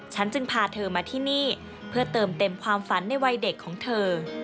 จึงพาเธอมาที่นี่เพื่อเติมเต็มความฝันในวัยเด็กของเธอ